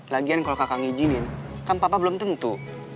lagian kalau kakak ngijidin kan papa belum tentu